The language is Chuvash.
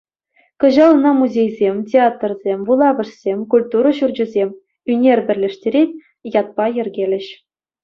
Кӑҫал ӑна музейсем, театрсем, вулавӑшсем, культура ҫурчӗсем «Ӳнер пӗрлештерет» ятпа йӗркелӗҫ.